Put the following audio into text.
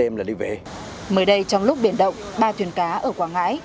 mới đây trong lúc biển động ba thuyền cá ở quảng ngãi